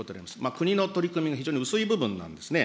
国の取り組みが非常に薄い部分なんですね。